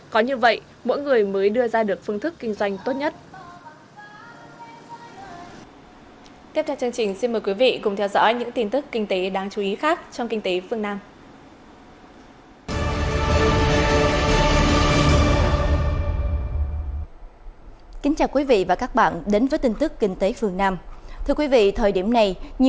có như vậy mỗi người mới đưa ra được phương thức kinh doanh